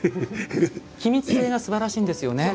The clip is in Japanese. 機密性がすばらしいんですよね。